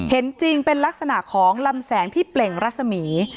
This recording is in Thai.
เห็นจริงเป็นลักษณะของลำแสงที่เปล่งรัศมี